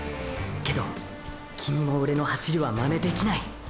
けどキミもオレの走りは真似できない！！